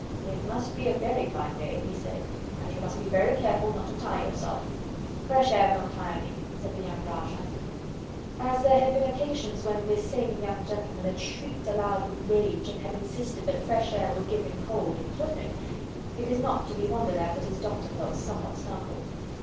"It must be a very fine day," he said, "and you must be very careful not to tire yourself." "Fresh air won't tire me," said the young Rajah. As there had been occasions when this same young gentleman had shrieked aloud with rage and had insisted that fresh air would give him cold and kill him, it is not to be wondered at that his doctor felt somewhat startled.